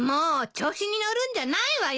調子に乗るんじゃないわよ。